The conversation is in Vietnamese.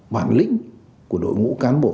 bản lĩnh của đội ngũ cán bộ